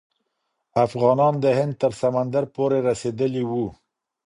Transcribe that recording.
افغانان د هند تر سمندر پورې رسیدلي وو.